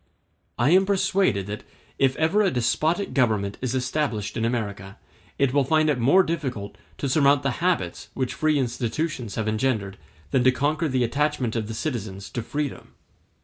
*d I am persuaded that, if ever a despotic government is established in America, it will find it more difficult to surmount the habits which free institutions have engendered than to conquer the attachment of the citizens to freedom.